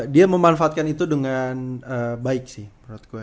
dia memanfaatkan itu dengan baik sih menurut gue